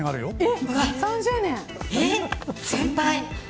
先輩。